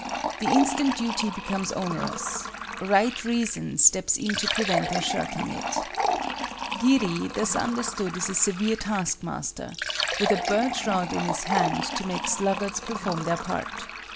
The instant Duty becomes onerous, Right Reason steps in to prevent our shirking it. Giri thus understood is a severe taskmaster, with a birch rod in his hand to make sluggards perform their part.